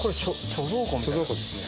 貯蔵庫ですね。